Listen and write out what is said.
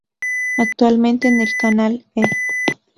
Actualmente, en el canal E!